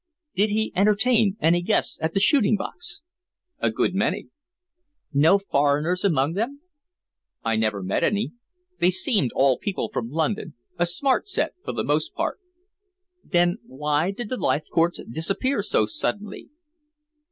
"Did he entertain any guests at the shooting box?" "A good many." "No foreigners among them?" "I never met any. They seemed all people from London a smart set for the most part." "Then why did the Leithcourts disappear so suddenly?"